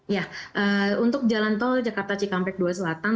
ya untuk jalan tol jakarta cikampek dua selatan